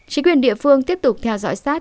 chỉ quyền địa phương tiếp tục theo dõi sát